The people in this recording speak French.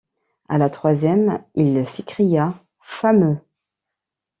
À la troisième il s’écria: Fameux!